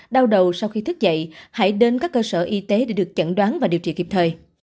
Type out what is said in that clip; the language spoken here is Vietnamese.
đau đầu sau khi thức dậy hãy đến các cơ sở y tế để được chẩn đoán và điều trị kịp thời